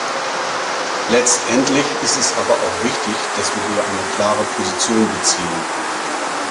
Letztendlich ist es aber auch wichtig, dass wir hier eine klare Position beziehen.